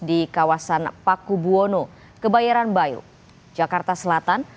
di kawasan paku buwono kebayoran bayu jakarta selatan